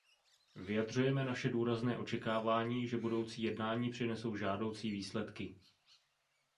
Vyjadřujeme naše důrazné očekávání, že budoucí jednání přinesou žádoucí výsledky.